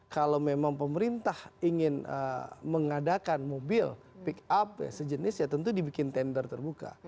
kalau memang pemerintah ingin mengadakan mobil pick up sejenis ya tentu dibikin tender terbuka